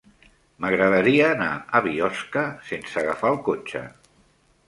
M'agradaria anar a Biosca sense agafar el cotxe.